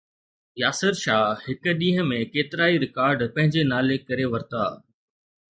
ياسر شاهه هڪ ڏينهن ۾ ڪيترائي رڪارڊ پنهنجي نالي ڪري ورتا